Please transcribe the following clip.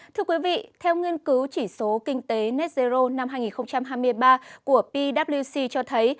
thưa quý vị theo nghiên cứu chỉ số kinh tế net zero năm hai nghìn hai mươi ba của pwc cho thấy